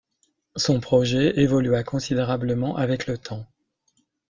Son projet évolua considérablement avec le temps.